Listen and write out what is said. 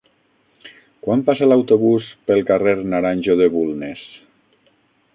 Quan passa l'autobús pel carrer Naranjo de Bulnes?